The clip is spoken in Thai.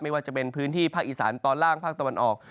ว่าจะเป็นพื้นที่ภาคอีสานตอนล่างภาคตะวันออก